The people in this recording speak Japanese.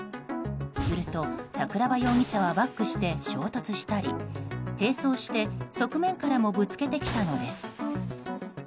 すると、桜庭豊容疑者はバックして衝突したり並走して側面からもぶつけてきたのです。